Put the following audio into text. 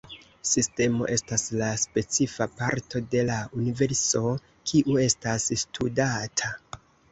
Sistemo estas la specifa parto de la universo kiu estas studata.